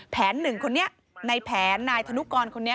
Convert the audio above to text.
หนึ่งคนนี้ในแผนนายธนุกรคนนี้